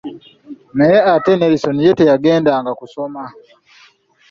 Naye ate Nelisoni ye teyagendanga kusoma.